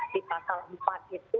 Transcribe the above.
di pasal empat itu